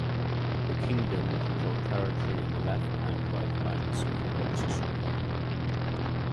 The kingdom controlled territory on the left and right banks of the Oxus River.